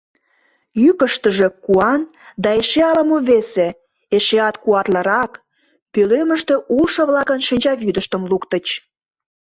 Йӱкыштыжӧ куан да эше ала-мо весе, эшеат куатлырак, пӧлемыште улшо-влакын шинчавӱдыштым луктыч.